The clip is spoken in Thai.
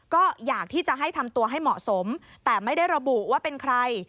ก็อยากที่จะให้ทำตัวให้เหมาะสมแต่ไม่ได้ระบุว่าเป็นใคร